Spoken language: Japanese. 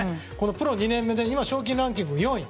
プロ２年目で今、賞金ランキング４位。